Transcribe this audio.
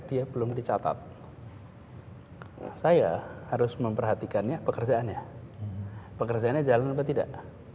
dia belum dicatat saya harus memperhatikannya pekerjaannya pekerjaannya jalan apa tidak